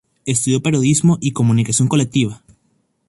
Estudió periodismo y comunicación colectiva.